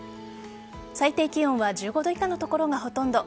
最低気温は１５度以下の所がほとんど。